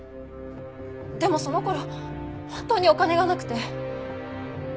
でもその頃本当にお金がなくて。